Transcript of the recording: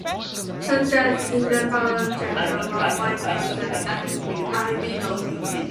Such as in the colored child of a white person and albino.